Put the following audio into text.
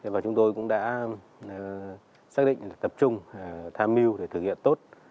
và chúng tôi cũng đã xác định tập trung tham mưu để thực hiện tốt